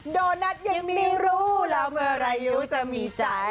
โดนัทยังไม่รู้เราเมื่อไร้ยูจะมีใจ